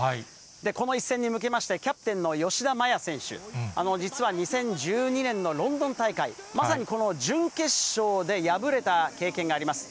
この一戦に向けまして、キャプテンの吉田麻也選手、実は２０１２年のロンドン大会、まさにこの準決勝で敗れた経験があります。